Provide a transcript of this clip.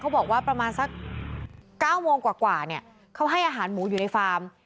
บอกว่าประมาณสัก๙โมงกว่าเนี่ยเขาให้อาหารหมูอยู่ในฟาร์ม